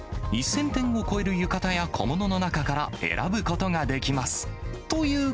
１０００点を超える浴衣や小物の中から選ぶことができます。